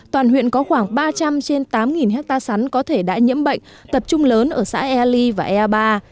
toàn huyện có khoảng ba trăm linh trên tám hectare sắn có thể đã nhiễm bệnh tập trung lớn ở xã ea ly và ea ba